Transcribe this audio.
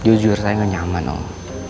jujur saya gak nyaman om